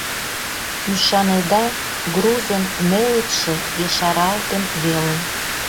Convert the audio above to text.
Ӱшанеда, грузын нелытше ешаралтын веле!